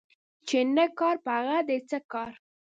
چي نه کار په هغه دي څه کار